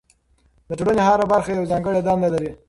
د ټولنې هره برخه یوه ځانګړې دنده لري.